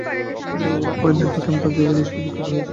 নড়িবার উপায় তাহার নাই, এখন থাকিয়া থাকিয়া মুখ শুধু বিকৃত করিতেছে।